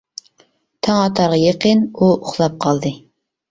تاڭ ئاتارغا يېقىن ئۇ ئۇخلاپ قالدى.